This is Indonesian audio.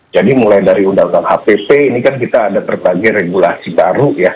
jadi mulai dari undang undang hpp ini kan kita ada berbagai regulasi baru ya